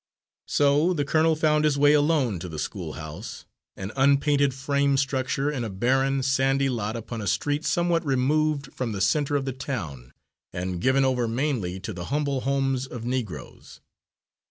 So the colonel found his way alone to the schoolhouse, an unpainted frame structure in a barren, sandy lot upon a street somewhat removed from the centre of the town and given over mainly to the humble homes of Negroes.